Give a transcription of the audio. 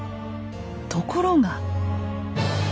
ところが。